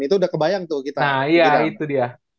itu udah kebayang tuh kita nah ya itu dia